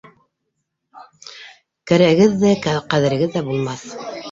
Кәрәгегеҙ ҙә, ҡәҙерегеҙ ҙә булмаҫ.